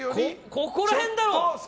ここら辺だろ！